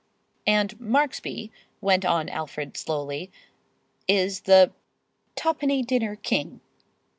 "And Marksby," went on Alfred, slowly, "is the Twopenny Dinner King."